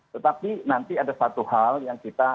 tetapi nanti ada satu hal yang kita